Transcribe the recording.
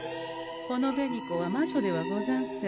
この紅子は魔女ではござんせん。